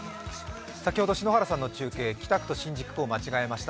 篠原さんの中継、北区と新宿区を間違えました。